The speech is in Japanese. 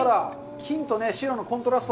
金と白のコントラスト。